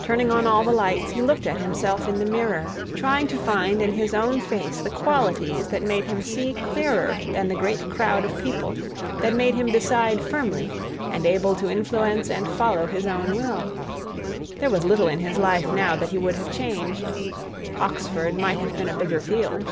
Turning on all the lights, he looked at himself in the mirror, trying to find in his own face the qualities that made him see clearer than the great crowd of people, that made him decide firmly, and able to influence and follow his own will. There was little in his life now that he would have changed. ... Oxford might have been a bigger field.